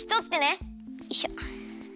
よいしょ。